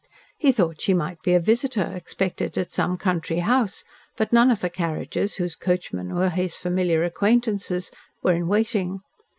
He thought she must be a visitor expected at some country house, but none of the carriages, whose coachmen were his familiar acquaintances, were in waiting.